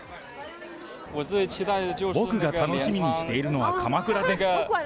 僕が楽しみにしているのは鎌倉です。